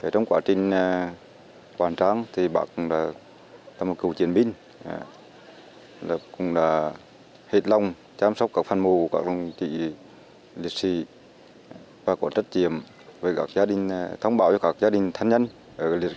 trong quá trình hoàn trang thì bà cũng là một cựu chiến binh cũng là hệt lòng chăm sóc các phần mộ của các đồng tỷ liệt sĩ và của trách nhiệm với các gia đình thông báo cho các gia đình thanh niên